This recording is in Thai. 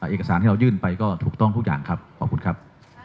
เอกสารที่เรายื่นไปก็ถูกต้องทุกอย่างครับขอบคุณครับ